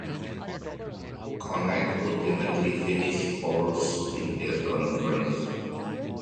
Connacht ultimately finished fourth in their conference.